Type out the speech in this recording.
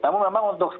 namun memang untuk skrin